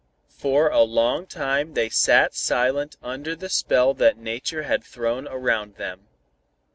For a long time they sat silent under the spell that nature had thrown around them.